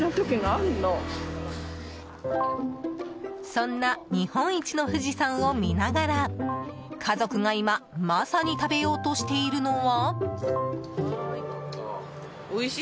そんな日本一の富士山を見ながら家族が今まさに食べようとしているのは。